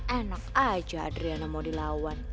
enak aja adriana mau dilawan